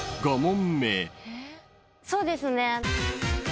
そうですね。